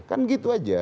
kan gitu aja